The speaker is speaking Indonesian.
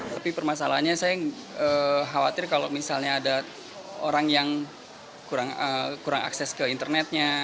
tapi permasalahannya saya khawatir kalau misalnya ada orang yang kurang akses ke internetnya